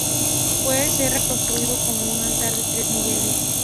Puede ser reconstruido como un altar de tres niveles.